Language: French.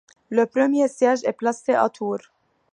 Le premier siège est placé à Tours.